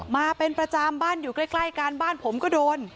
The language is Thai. มาเป็นประจำบ้านแล้วกันแล้วก็เลยกล้ากันบ้านผมก็โดน